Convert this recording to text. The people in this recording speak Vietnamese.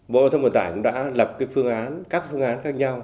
bộ giao thông vận tải cũng đã lập các phương án khác nhau